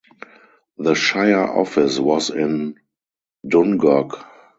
The shire office was in Dungog.